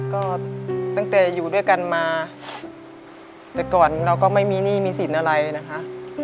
ก็ตั้งแต่อยู่ด้วยกันมาแต่ก่อนเราก็ไม่มีหนี้มีสินอะไรนะคะ